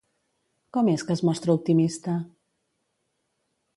Com és que es mostra optimista?